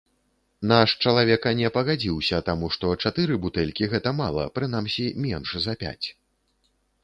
Наш чалавека не пагадзіўся таму, што чатыры бутэлькі гэта мала, прынамсі менш за пяць.